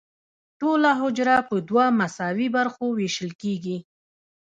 ټوله حجره په دوه مساوي برخو ویشل کیږي.